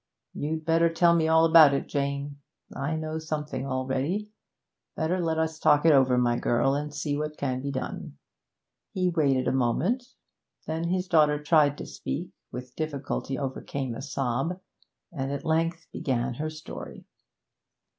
'You'd better tell me all about it, Jane. I know something already. Better let us talk it over, my girl, and see what can be done.' He waited a moment. Then his daughter tried to speak, with difficulty overcame a sob, and at length began her story.